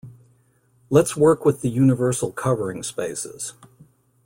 Let's work with the universal covering spaces.